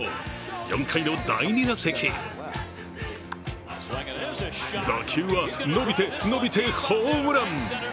４回の第２打席、打球は伸びて、伸びてホームラン。